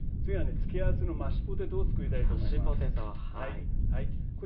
付け合わせのマッシュポテトをつくりたいと思います。